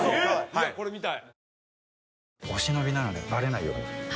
いやこれ見たい！